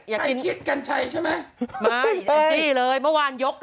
ใครต้องการให้บวชจัก